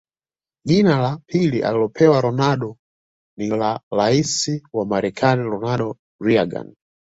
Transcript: Jina la pili alilopewa Ronaldo ni la rais wa Marekani Ronald Reagan